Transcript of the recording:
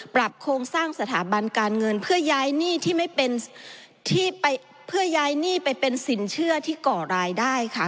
ปรับโครงสร้างสถาบันการเงินเพื่อย้ายหนี้ไปเป็นสินเชื่อที่ก่อรายได้ค่ะ